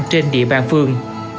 trên địa bàn phường